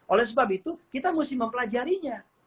oleh sebab itu kita mesti mempelajarinya